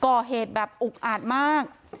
ก่อเหตุแบบอุกอาดมาก